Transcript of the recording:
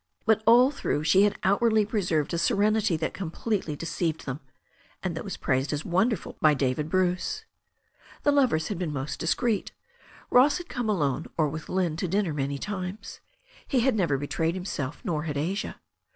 But all through she had outwardly preserved a serenity that completely deceived them, and that was praised as wonderful by David Bruce. The lovers had been most discreet. Ross had come alone or with Lynne to dinner many times. He had never be trayed himself, nor had Asia.